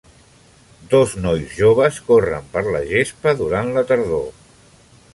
Dos nois joves corren per la gespa durant la tardor.